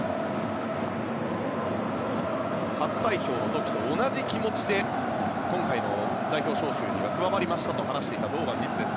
初代表の時と同じ気持ちで今回の代表招集に加わりましたと話していた堂安律です。